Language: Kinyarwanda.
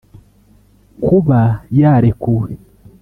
Kuba yarekuwe